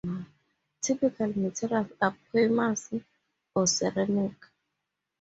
Typical materials are polymers or ceramic.